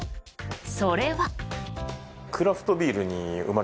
それは。